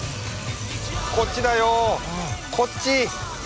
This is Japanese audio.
こっちだよこっち！